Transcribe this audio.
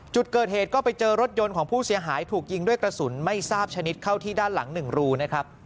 จุดเกิดเหตุก็ไปเจอรถยนต์ของผู้เสียหายถูกยิงด้วยกระสุนไม่ทราบชนิดเข้าที่ด้านหลัง๑รูนะครับ